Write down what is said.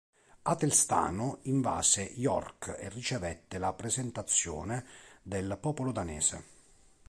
Atelstano invase York e ricevette la presentazione del popolo danese.